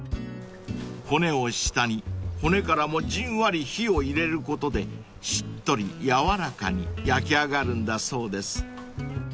［骨を下に骨からもじんわり火を入れることでしっとり軟らかに焼き上がるんだそうです］